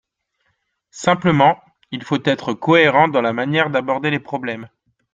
Simplement, il faut être cohérent dans la manière d’aborder les problèmes.